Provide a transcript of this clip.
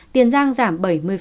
tiền giang giảm bảy mươi